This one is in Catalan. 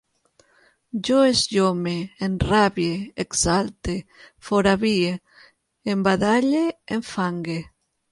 Jo esllome, enrabie, exalte, foravie, embadalle, enfangue